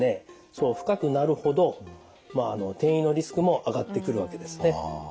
その深くなるほど転移のリスクも上がってくるわけですね。